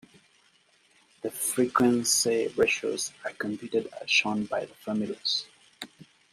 The frequency ratios are computed as shown by the formulas.